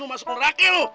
lo masuk ke rakyat lo